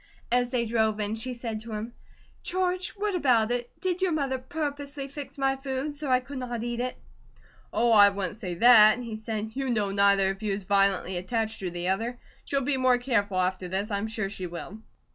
As they drove in she said of him: "George, what about it? Did your mother purposely fix my food so I could not eat it?" "Oh, I wouldn't say that," he said. "You know neither of you is violently attached to the other. She'll be more careful after this, I'm sure she will."